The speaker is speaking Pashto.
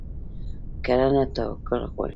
کرنه توکل غواړي.